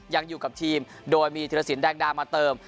ยังอยู่กับทีมโดยมีธิรสินแดงดามาเติม